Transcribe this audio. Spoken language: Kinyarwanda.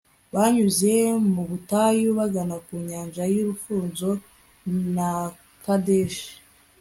banyuze mu butayu bagana ku nyanja y'urufunzo na kadeshi